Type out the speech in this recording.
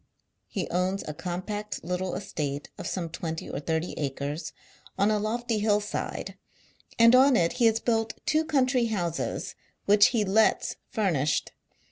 He owns a compact little estate of some twenty or thirty acres on a lofty hill side, and on it he has built two country houses which he lets furnished.